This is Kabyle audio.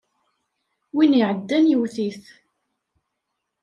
Win iɛeddan yewwet-it.